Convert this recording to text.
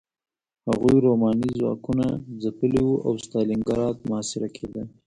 هغوی رومانیايي ځواکونه ځپلي وو او ستالینګراډ محاصره کېده